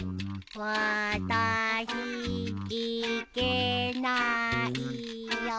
わたし行けないよ。